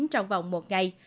trong vòng một ngày